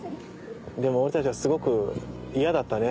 でも俺たちはすごく嫌だったね